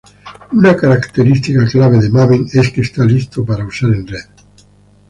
Una característica clave de Maven es que está listo para usar en red.